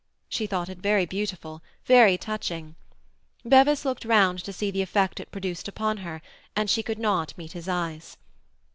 She thought it very beautiful, very touching. Bevis looked round to see the effect it produced upon her, and she could not meet his eyes.